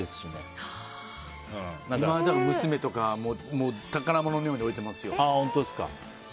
今は娘とか宝物のように置いてますよ。